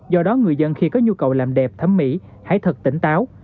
do đó người dân khi có nhu cầu làm đẹp thấm mỹ hãy thật tỉnh táo